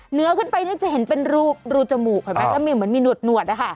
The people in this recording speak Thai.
เหนือขึ้นไปนี่จะเห็นเป็นรูจมูกเห็นไหมแล้วมีเหมือนมีหนวดนะคะ